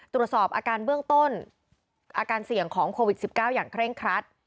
ตรวจสอบอาการเบื้องต้นอาการเสี่ยงของโควิด๑๙อย่างเคร่งครัด